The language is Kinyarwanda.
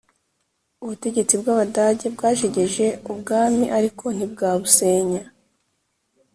ubutegetsi bw'abadage bwajegeje ubwami ariko ntibwabusenya